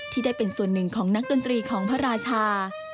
ที่ได้เป็นส่วนหนึ่งของนักดนตรีของพระราชา